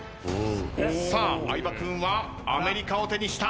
相葉君はアメリカを手にした。